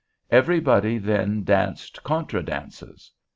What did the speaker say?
Everybody then danced contra dances.